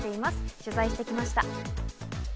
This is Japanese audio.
取材してきました。